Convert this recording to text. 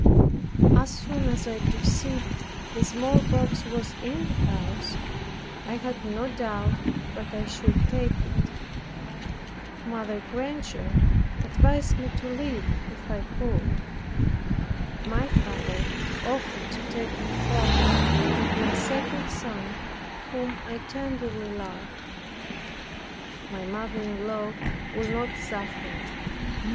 As soon as I perceived the smallpox was in the house, I had no doubt but I should take it. Mrs. Granger advised me to leave if I could. My father offered to take me home, with my second son, whom I tenderly loved. My mother in law would not suffer it.